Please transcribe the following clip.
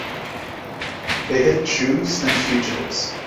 They hid Jews and fugitives.